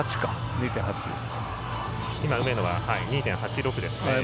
今、梅野は２．８６ですね。